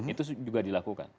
itu juga dilakukan